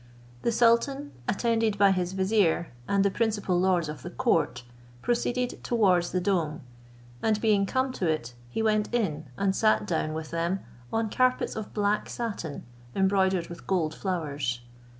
The sultan, attended by his vizier and the principal lords of the court, proceeded towards the dome, and being come to it, he went in and sat down with them on carpets of black satin embroidered with gold flowers.